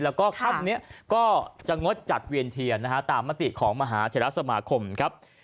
แล้วก็ค่ำนี้ก็จะงดจัดเวียนเทียนนะฮะตามมติของมหาเทรสมาคมครับ